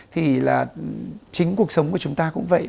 thì chính cuộc sống của chúng ta cũng vậy